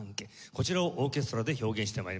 こちらをオーケストラで表現して参ります。